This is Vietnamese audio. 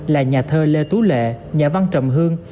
là nhà thơ lê tú lệ nhà văn trầm hương